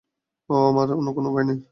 ওহ, আমার অন্য কোনো উপায় নেই।